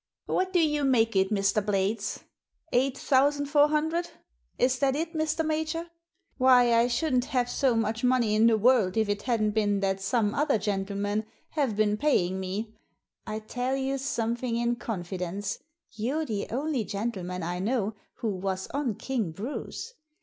"What do you make it, Mr. Blades ? Eight thousand four hundred. Is that it, Mr. Major? Why, I shouldn't have so much money in the world if it hadn't been that some other gentlemen have been paying me. I tell you something in confidence. You're the only gentleman I know who was on King Bruce.